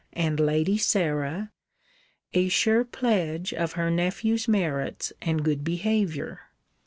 and Lady Sarah, a sure pledge of her nephew's merits and good behaviour.'